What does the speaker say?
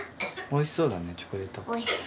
おいしそうだねチョコレートって。